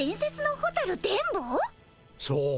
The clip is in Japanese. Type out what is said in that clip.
そう。